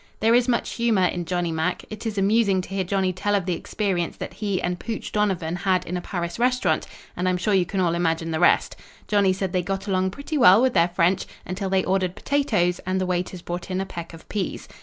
There is much humor in Johnny Mack. It is amusing to hear Johnny tell of the experience that he and Pooch Donovan had in a Paris restaurant, and I'm sure you can all imagine the rest. Johnny said they got along pretty well with their French until they ordered potatoes and the waiters brought in a peck of peas.